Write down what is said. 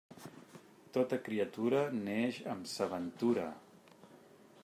Tota criatura neix amb sa ventura.